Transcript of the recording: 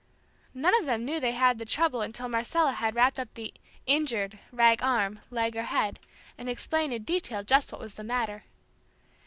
None of them knew they had the trouble until Marcella had wrapped up the "injured" rag arm, leg or head, and had explained in detail just what was the matter.